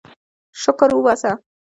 شکر وباسه.